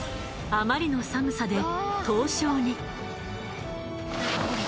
あまりの寒さで凍傷に。